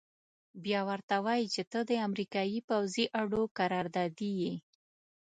بيا ورته وايي چې ته د امريکايي پوځي اډو قراردادي يې.